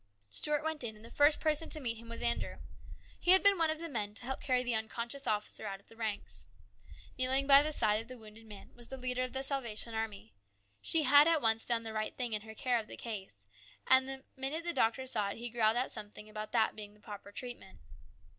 Stuart went in, and the first person to meet him was Andrew. He had been one of the men to help carry the unconscious officer out of the ranks. Kneeling by the side of the wounded man was the leader of the Salvation Army. She had at once done the right thing in her care of the case, and the minute the doctor saw it he growled out something about that being the proper treatment.